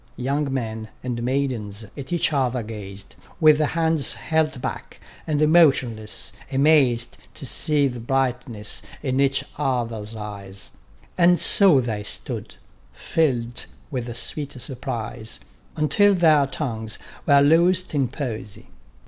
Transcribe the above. Young men, and maidens at each other gaz'd With hands held back, and motionless, amaz'd To see the brightness in each others' eyes; And so they stood, fill'd with a sweet surprise, Until their tongues were loos'd in poesy.